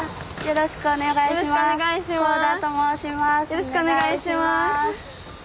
よろしくお願いします。